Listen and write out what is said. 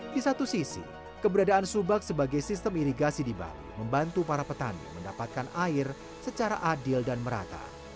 di satu sisi keberadaan subak sebagai sistem irigasi di bali membantu para petani mendapatkan air secara adil dan merata